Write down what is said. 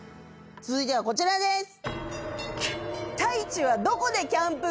続いてはこちらです。